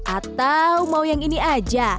atau mau yang ini aja